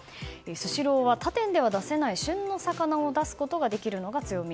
スシローは他店では出せない旬の魚を出すことができるのが強み。